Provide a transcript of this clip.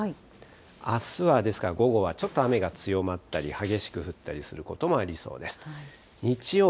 あすは、ですから午後はちょっと雨が強まったり、激しく降ったりすることもありそうです。